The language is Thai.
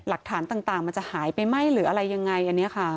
หลักฐานต่างมันจะหายไปไหมหรืออะไรยังไงอันนี้ค่ะ